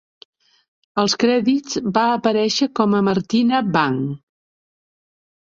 Als crèdits, va aparèixer com a "Martina Bang".